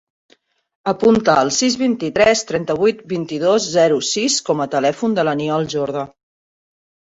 Apunta el sis, vint-i-tres, trenta-vuit, vint-i-dos, zero, sis com a telèfon de l'Aniol Jorda.